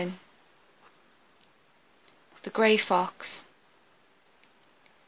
THE GRAY FOX.